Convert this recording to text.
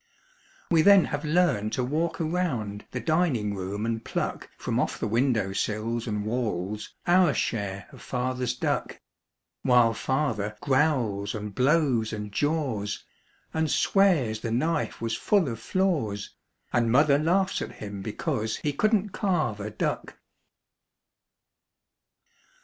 We then have learned to walk around the dining room and pluck From off the windowsills and walls Our share of Father's duck While Father growls and blows and jaws And swears the knife was full of flaws And Mother laughs at him because He couldn't carve a duck.